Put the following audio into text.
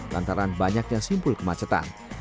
lantaran banyaknya simpul kemacetan